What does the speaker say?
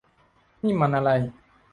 นี่มันอะไร ?